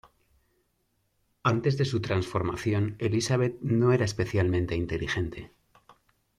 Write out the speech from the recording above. Antes de su transformación, Elizabeth no era especialmente inteligente.